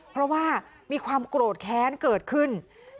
เพราะว่ามีความโกรธแค้นเกิดขึ้น